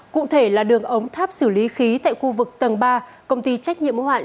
cụ thể là đường ống tháp xử lý khí tại khu vực tầng ba công ty trách nhiệm mô hạn